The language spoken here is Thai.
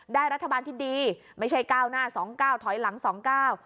รัฐบาลที่ดีไม่ใช่ก้าวหน้าสองเก้าถอยหลังสองเก้า